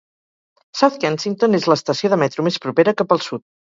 South Kensington és l'estació de metro més propera cap al sud.